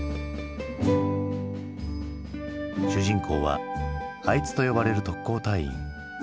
主人公は「あいつ」と呼ばれる特攻隊員。